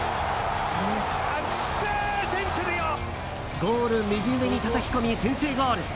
ゴール右上にたたき込み先制ゴール。